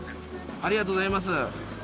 ありがとうございます。